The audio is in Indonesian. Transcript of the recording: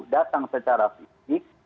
datang secara fisik